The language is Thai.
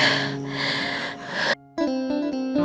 เราไม่มีเบา